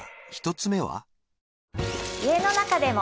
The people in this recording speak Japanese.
１つ目は？